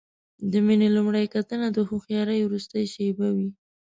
د مینې لومړۍ کتنه د هوښیارۍ وروستۍ شېبه وي.